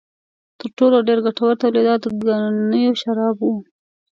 تر ټولو ډېر ګټور تولیدات د ګنیو شراب و.